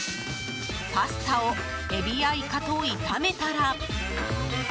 パスタをエビやイカと炒めたら。